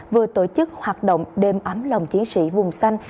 vừa tổ chức hoạt động đêm ấm lòng chiến sĩ vùng xanh